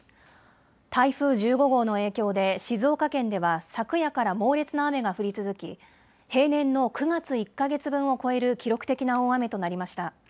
台風１５号の影響で静岡県では昨夜から猛烈な雨が降り続き平年の９月１か月分を超える記録的な大雨となりました。